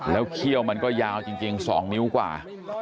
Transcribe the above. แล้วเขี้ยวมันก็ยาวจริง๒นิ้วกว่า